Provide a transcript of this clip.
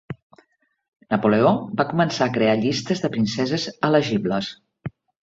Napoleó va començar a crear llistes de princeses elegibles.